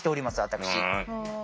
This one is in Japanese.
私。